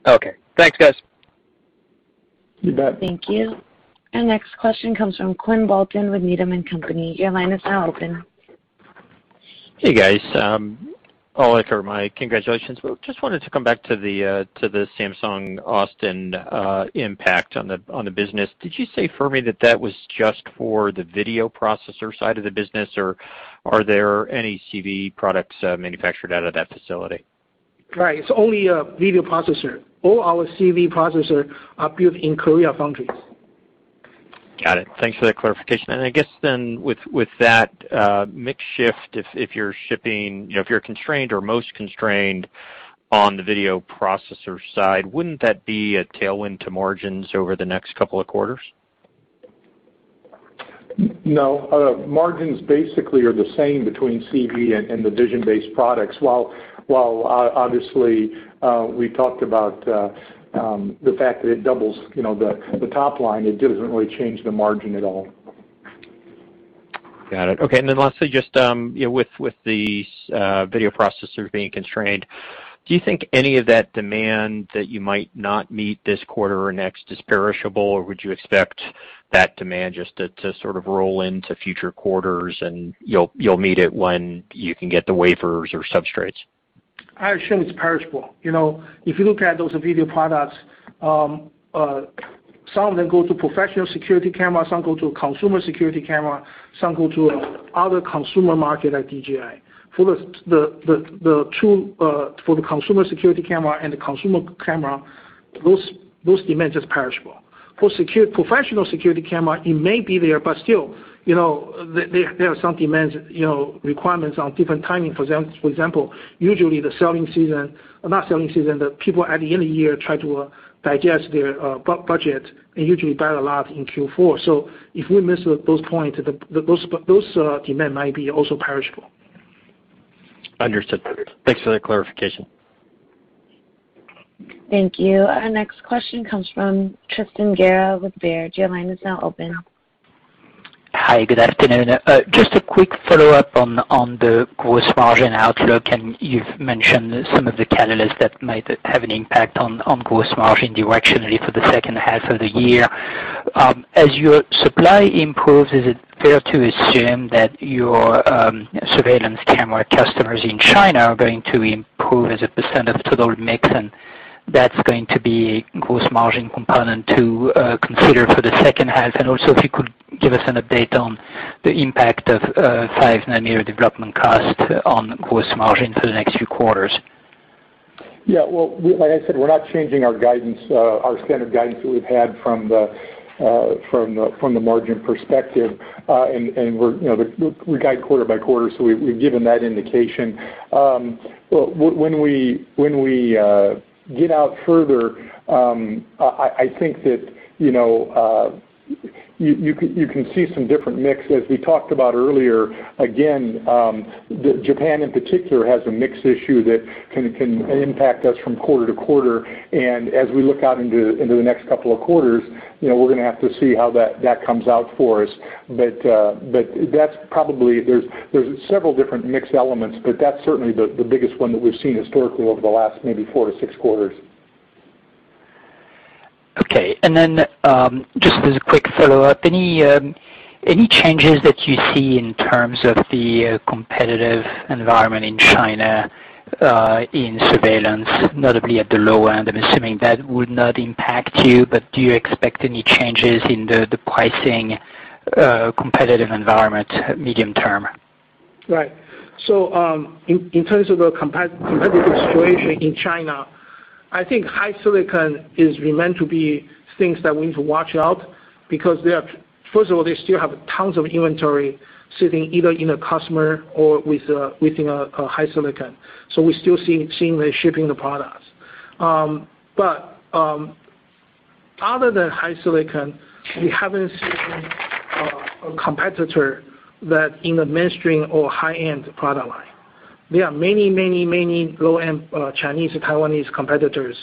Okay. Thanks, guys. You bet. Thank you. Our next question comes from Quinn Bolton with Needham & Company. Your line is now open. Hey, guys. All right. My congratulations. Just wanted to come back to the Samsung Austin impact on the business. Did you say Fermi that that was just for the video processor side of the business, or are there any CV products manufactured out of that facility? Right. It's only a video processor. All our CV processor are built in Korea factories. Got it. Thanks for that clarification. I guess with that mix shift, if you're constrained or most constrained on the video processor side, wouldn't that be a tailwind to margins over the next couple of quarters? No. Margins basically are the same between CV and the vision-based products. While obviously, we talked about the fact that it doubles the top line, it doesn't really change the margin at all. Got it. Okay. Lastly, just with the video processors being constrained, do you think any of that demand that you might not meet this quarter or next is perishable, or would you expect that demand just to sort of roll into future quarters and you'll meet it when you can get the wafers or substrates? I assume it's perishable. If you look at those video products, some of them go to professional security cameras, some go to consumer security camera, some go to other consumer market like DJI. For the consumer security camera and the consumer camera, those demand is perishable. For professional security camera, it may be there, but still, there are some requirements on different timing. For example, usually not selling season, the people at the end of the year try to digest their budget, and usually buy a lot in Q4. If we miss those points, those demand might be also perishable. Understood. Thanks for that clarification. Thank you. Our next question comes from Tristan Gerra with Baird. Your line is now open. Hi, good afternoon. Just a quick follow-up on the gross margin outlook. You've mentioned some of the catalysts that might have an impact on gross margin directionally for the second half of the year. As your supply improves, is it fair to assume that your surveillance camera customers in China are going to improve as a percent of total mix, and that's going to be a gross margin component to consider for the second half? Also, if you could give us an update on the impact of 5-nm development cost on gross margin for the next few quarters. Yeah. Well, like I said, we're not changing our standard guidance that we've had from the margin perspective. We guide quarter by quarter, so we've given that indication. When we get out further, I think that you can see some different mix. As we talked about earlier, again, Japan in particular has a mix issue that can impact us from quarter to quarter, and as we look out into the next couple of quarters, we're going to have to see how that comes out for us. There's several different mix elements, but that's certainly the biggest one that we've seen historically over the last maybe four to six quarters. Okay. Just as a quick follow-up, any changes that you see in terms of the competitive environment in China, in surveillance, notably at the low end? I am assuming that would not impact you, but do you expect any changes in the pricing competitive environment medium-term? Right. In terms of the competitive situation in China, I think HiSilicon is meant to be things that we need to watch out, because first of all, they still have tons of inventory sitting either in a customer or within HiSilicon. We still seeing them shipping the products. Other than HiSilicon, we haven't seen a competitor that in the mainstream or high-end product line. There are many, many, many low-end Chinese to Taiwanese competitors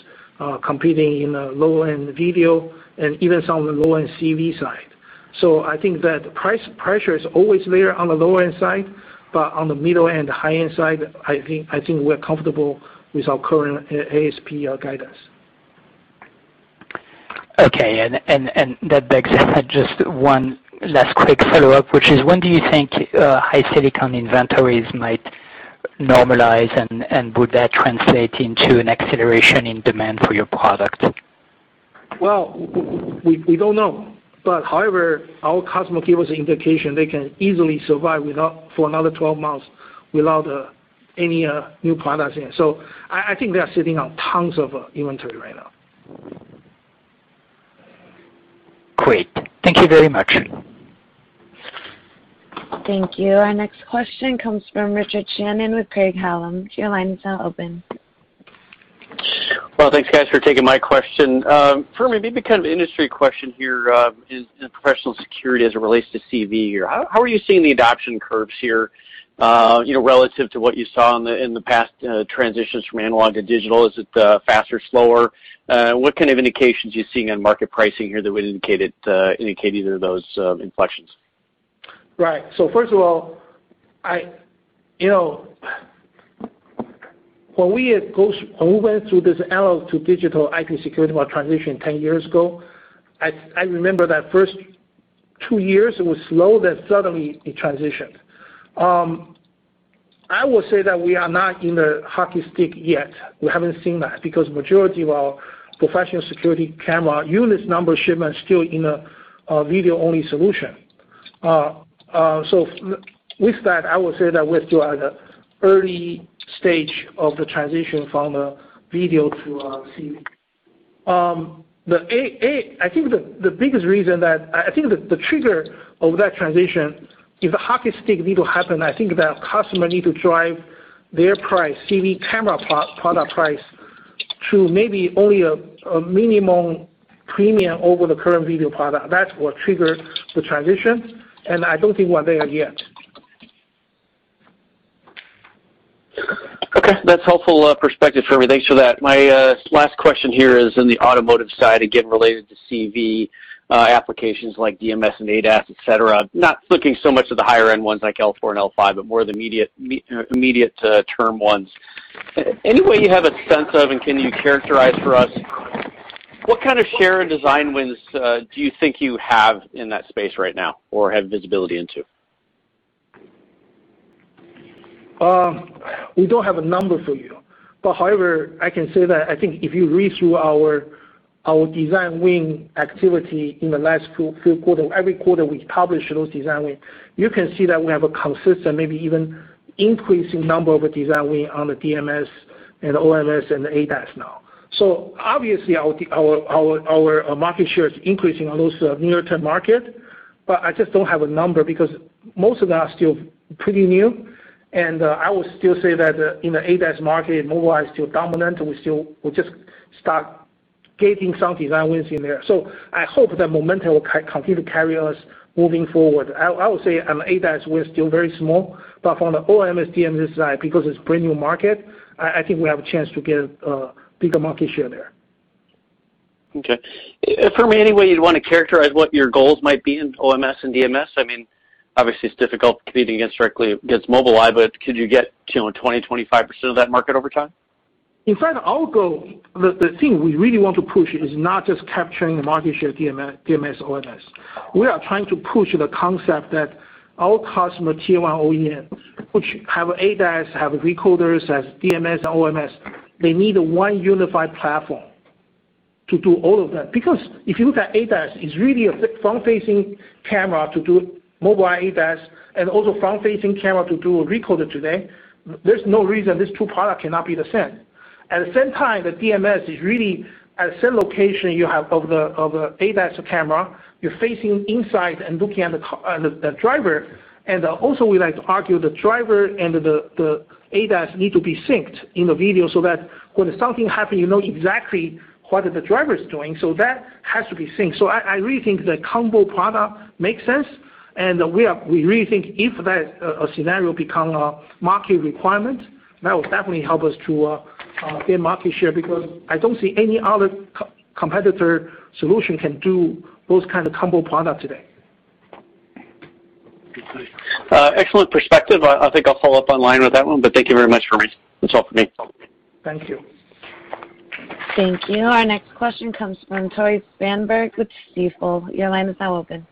competing in the low-end video and even some low-end CV side. I think that price pressure is always there on the lower end side, but on the middle and the high-end side, I think we are comfortable with our current ASP guidance. Okay. That begs just one last quick follow-up, which is, when do you think HiSilicon inventories might normalize, and would that translate into an acceleration in demand for your product? We don't know. However, our customer gives us indication they can easily survive for another 12 months without any new products in. I think they're sitting on tons of inventory right now. Great. Thank you very much. Thank you. Our next question comes from Richard Shannon with Craig-Hallum. Well, thanks guys for taking my question. Fermi, maybe kind of an industry question here. Professional security as it relates to CV. How are you seeing the adoption curves here relative to what you saw in the past transitions from analog to digital? Is it faster, slower? What kind of indications are you seeing in market pricing here that would indicate either of those inflections? Right. First of all, when we went through this analog to digital IP security transition 10 years ago, I remember that first two years it was slow, then suddenly it transitioned. I would say that we are not in a hockey stick yet. We haven't seen that, because the majority of our professional security camera unit numbers shipment still in a video-only solution. With that, I would say that we're still at the early stage of the transition from video to CV. I think the biggest reason that the trigger of that transition, if the hockey stick need to happen, I think that customer need to drive their price, CV camera product price, to maybe only a minimum premium over the current video product. That will trigger the transition, and I don't think we're there yet. Okay. That's a helpful perspective, Fermi. Thanks for that. My last question here is in the automotive side, again, related to CV, applications like DMS and ADAS, et cetera. Not looking so much at the higher-end ones like L4 and L5, but more the immediate-term ones. Any way you have a sense of, and can you characterize for us, what kind of share and design wins do you think you have in that space right now or have visibility into? We don't have a number for you. However, I can say that I think if you read through our design win activity in the last few quarter, every quarter we publish those design wins. You can see that we have a consistent, maybe even increasing number of design wins on the DMS and OMS and the ADAS now. Obviously our market share is increasing on those near-term market, but I just don't have a number because most of them are still pretty new. I would still say that in the ADAS market, Mobileye is still dominant, and we still will just start gaining some design wins in there. I hope that momentum will continue to carry us moving forward. I would say on ADAS, we're still very small. From the OMS, DMS side, because it's brand new market, I think we have a chance to get a bigger market share there. Okay. Fermi, any way you'd want to characterize what your goals might be in OMS and DMS? Obviously, it's difficult competing strictly against Mobileye, but could you get to 20%-25% of that market over time? In fact, our goal, the thing we really want to push is not just capturing market share, DMS, OMS. We are trying to push the concept that our customer Tier 1 OEM, which have ADAS, have recorders as DMS and OMS. They need one unified platform to do all of that. If you look at ADAS, it is really a front-facing camera to do mobile ADAS, and also front-facing camera to do a recorder today. There is no reason these two product cannot be the same. At the same time, the DMS is really at the same location you have of ADAS camera. You are facing inside and looking at the driver. We like to argue the driver and the ADAS need to be synced in the video so that when something happens, you know exactly what the driver is doing. That has to be synced. I really think the combo product makes sense, and we really think if that scenario become a market requirement, that will definitely help us to gain market share, because I don't see any other competitor solution can do those kind of combo product today. Excellent perspective. I think I'll follow up online with that one, but thank you very much, Fermi. It's helpful. Thank you. Thank you. Our next question comes from Tore Svanberg with Stifel. Your line is now open.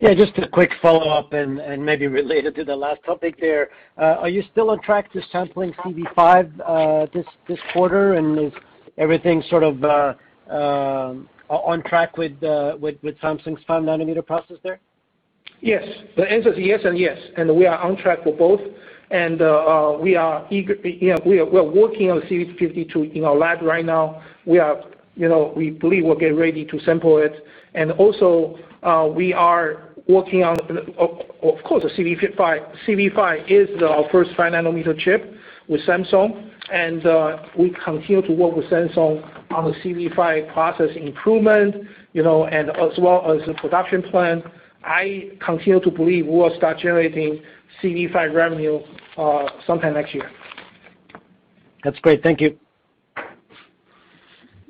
Yeah, just a quick follow-up and maybe related to the last topic there. Are you still on track to sample in CV5 this quarter, and is everything sort of on track with Samsung's 5-nm process there? Yes. The answer is yes and yes, and we are on track for both. We are working on CV52 in our lab right now. We believe we're getting ready to sample it. Also, we are working on, of course, the CV5. CV5 is our first 5-nm chip with Samsung, and we continue to work with Samsung on the CV5 process improvement as well as the production plan. I continue to believe we will start generating CV5 revenue sometime next year. That's great. Thank you.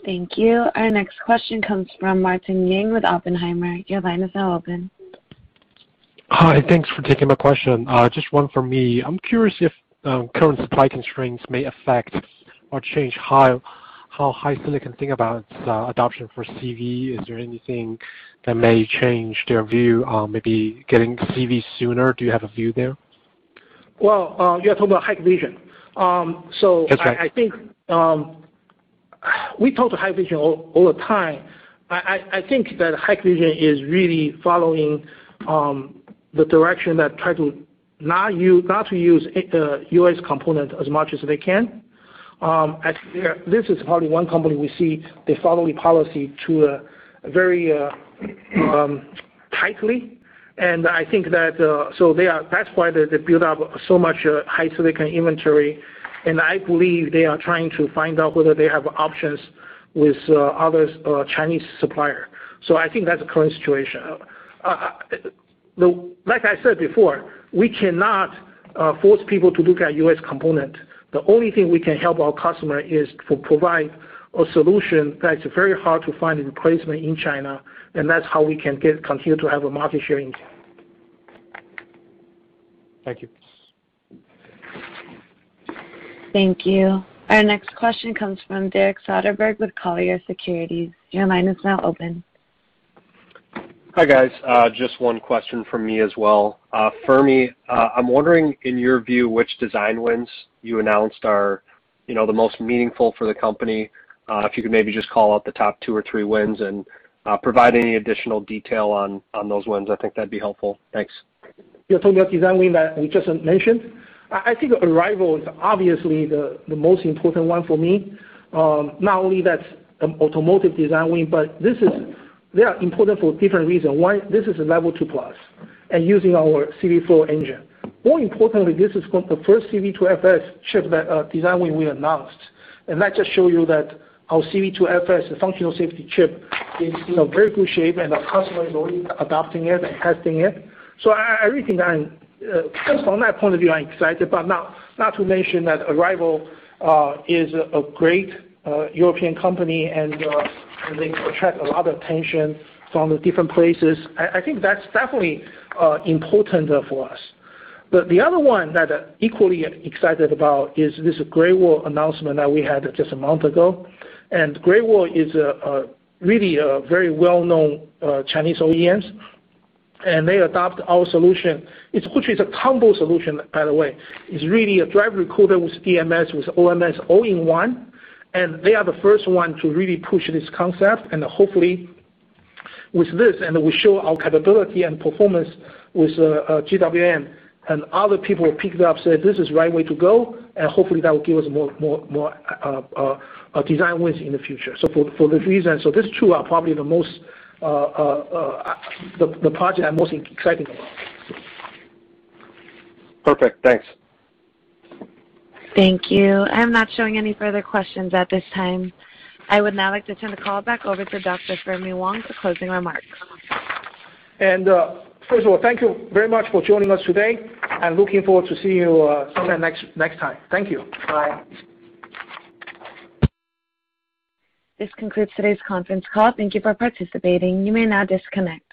Thank you. Our next question comes from Martin Yang with Oppenheimer. Your line is now open. Hi. Thanks for taking my question. Just one from me. I'm curious if current supply constraints may affect or change how HiSilicon can think about its adoption for CV. Is there anything that may change their view on maybe getting to CV sooner? Do you have a view there? Well, you're talking about Hikvision. Okay. We talk to Hikvision all the time. I think that Hikvision is really following the direction that try not to use U.S. component as much as they can. Actually, this is probably one company we see, they're following policy very tightly. I think that's why they build up so much HiSilicon inventory, and I believe they are trying to find out whether they have options with other Chinese supplier. I think that's the current situation. Like I said before, we cannot force people to look at U.S. component. The only thing we can help our customer is to provide a solution that is very hard to find a replacement in China, and that's how we can get continue to have a multi sharing. Thank you. Thank you. Our next question comes from Derek Soderberg with Colliers Securities. Your line is now open. Hi, guys. Just one question from me as well. Fermi, I'm wondering, in your view, which design wins you announced are the most meaningful for the company? If you could maybe just call out the top two or three wins and provide any additional detail on those wins, I think that'd be helpful. Thanks. You're talking about design win that we just mentioned. I think Arrival is obviously the most important one for me. Not only that's an automotive design win, but they are important for different reason. One, this is a Level 2+ and using our CVflow engine. More importantly, this is for the first CV2FS chip, that design win we announced. That just show you that our CV2FS functional safety chip is in a very good shape, and our customer is already adopting it and testing it. I really think that just from that point of view, I'm excited, but not to mention that Arrival is a great European company, and they attract a lot of attention from different places. I think that's definitely important for us. The other one that equally excited about is this Great Wall announcement that we had just a month ago. Great Wall Motor is really a very well-known Chinese OEMs, and they adopt our solution. It's actually a combo solution, by the way. It's really a drive recorder with DMS, with OMS all in one, and they are the first one to really push this concept, and hopefully with this, and we show our capability and performance with GWM, and other people picked it up, said this is right way to go, and hopefully that will give us more design wins in the future. For these reasons, so these two are probably the project I'm most excited about. Perfect. Thanks. Thank you. I'm not showing any further questions at this time. I would now like to turn the call back over to Dr. Fermi Wang for closing remarks. First of all, thank you very much for joining us today. I'm looking forward to see you sometime next time. Thank you. Bye. This concludes today's conference call. Thank you for participating. You may now disconnect.